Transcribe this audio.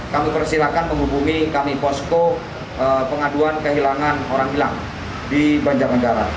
kami persilahkan menghubungi kami posko pengaduan kehilangan orang hilang di banjarnegara